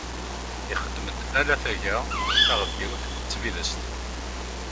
Ixeddem-d ala taga, taɣeddiwt d tbidest.